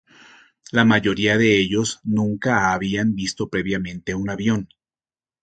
La mayoría de ellos nunca habían visto previamente un avión.